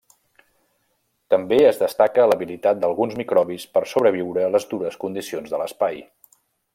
També es destaca l'habilitat d'alguns microbis per sobreviure a les dures condicions de l'espai.